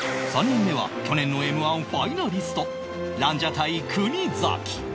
３人目は去年の Ｍ−１ ファイナリストランジャタイ国崎